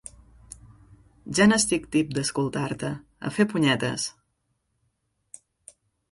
Ja n'estic tip d'escoltar-te. A fer punyetes!